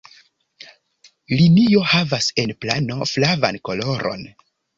Linio havas en plano flavan koloron.